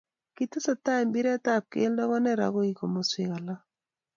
Kitesetai mpiret ab kelt koner okoi komoswek alak.